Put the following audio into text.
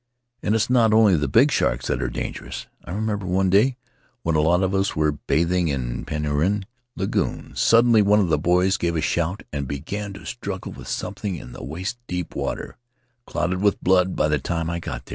And it's not only the big sharks that are dangerous. I remember one day when a lot of us were bathing in Penrhyn lagoon. Suddenly one of the boys gave a shout and began to struggle with something in the waist deep water — clouded with blood by the time I got there.